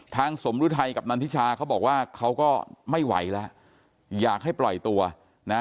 สมฤทัยกับนันทิชาเขาบอกว่าเขาก็ไม่ไหวแล้วอยากให้ปล่อยตัวนะ